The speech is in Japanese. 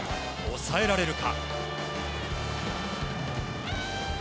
抑えられるか。